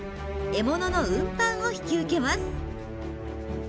獲物の運搬を引き受けます。